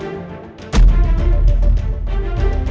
aku akan mencari cherry